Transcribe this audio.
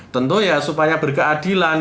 tentu ya supaya berkeadilan